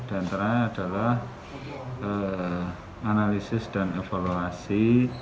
dan terakhir adalah analisis dan evaluasi